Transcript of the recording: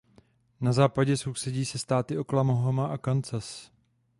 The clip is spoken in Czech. Na západě sousedí se státy Oklahoma a Kansas.